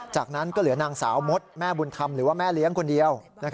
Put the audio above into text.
จากนั้นก็เหลือนางสาวมดแม่บุญธรรมหรือว่าแม่เลี้ยงคนเดียว